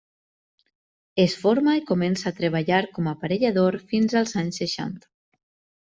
Es forma i comença a treballar com a aparellador fins als anys seixanta.